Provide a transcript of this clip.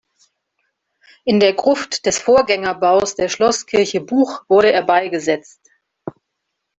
In der Gruft des Vorgängerbaus der Schlosskirche Buch wurde er beigesetzt.